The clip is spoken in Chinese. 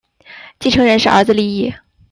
继承人是儿子利意。